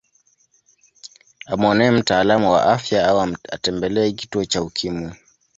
Amuone mtaalamu wa afya au atembelee kituo cha Ukimwi